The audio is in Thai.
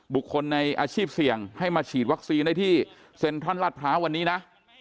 บุคคลในอาชีพเสี่ยงให้มาฉีดวัคซีนได้ที่เซ็นทรัลลาดพร้าววันนี้นะ